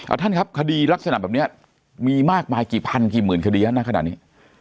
เอาท่านครับคดีลักษณะแบบนี้มีมากมายกี่พันกี่หมื่นคดีฮะณขณะนี้